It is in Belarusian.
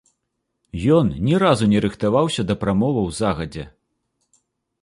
Ён ні разу не рыхтаваўся да прамоваў загадзя.